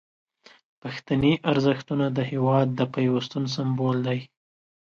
پښتني ارزښتونه د هیواد د پیوستون سمبول دي.